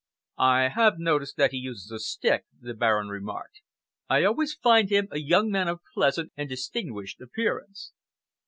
"I have noticed that he uses a stick," the Baron remarked. "I always find him a young man of pleasant and distinguished appearance."